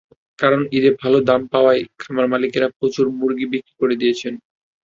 কারণ, ঈদে দাম ভালো পাওয়ায় খামারমালিকেরা প্রচুর মুরগি বিক্রি করে দিয়েছেন।